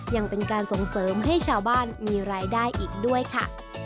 ยังเป็นการส่งเสริมให้ชาวบ้านมีรายได้อีกด้วยค่ะ